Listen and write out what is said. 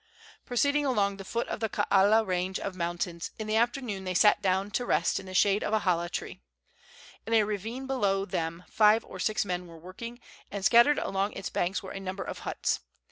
Proceeding along the foot of the Kaala range of mountains, in the afternoon they sat down to rest in the shade of a hala tree. In a ravine below them five or six men were working, and scattered along its banks were a number of huts.